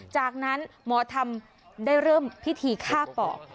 จากนั้นหมอธรรมได้เริ่มพิธีฆ่าปอก